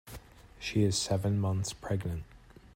She is seven months pregnant.